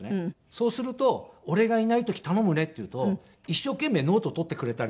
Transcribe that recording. そうすると「俺がいない時頼むね」って言うと一生懸命ノート取ってくれたりとか。